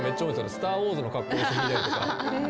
「スター・ウォーズ」の格好して弾いたりとか。